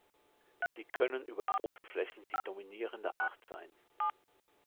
Sie können über große Flächen die dominierende Art sein.